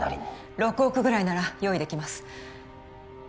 ６億ぐらいなら用意できます